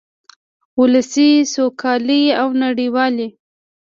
ولسي سوکالۍ او نړیوالې